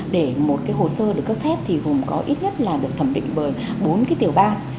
để một cái hồ sơ được cấp phép thì gồm có ít nhất là được thẩm định bởi bốn cái tiểu ban